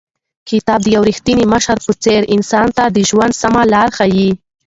کتاب د یو رښتیني مشر په څېر انسان ته د ژوند سمه لار ښیي.